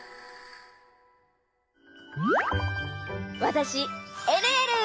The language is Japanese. わたしえるえる！